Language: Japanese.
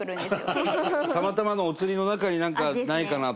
伊達：たまたまのお釣りの中になんかないかなと。